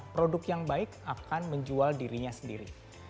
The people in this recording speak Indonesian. produk yang baik akan menjual dirinya sendiri